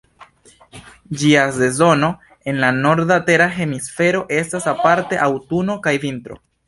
Ĝia sezono en la norda tera hemisfero estas aparte aŭtuno kaj vintro.